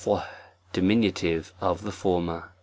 diminutive of the former.